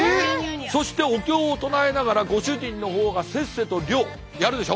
そしてお経を唱えながらご主人の方がせっせと漁やるでしょ。